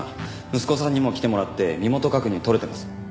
息子さんにも来てもらって身元確認とれてます。